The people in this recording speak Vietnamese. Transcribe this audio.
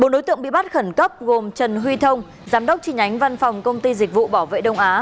bốn đối tượng bị bắt khẩn cấp gồm trần huy thông giám đốc tri nhánh văn phòng công ty dịch vụ bảo vệ đông á